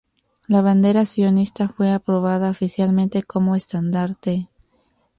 La bandera sionista fue aprobada oficialmente como estandarte.